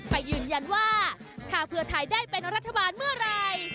ไปยืนยันว่าถ้าเพื่อไทยได้เป็นรัฐบาลเมื่อไหร่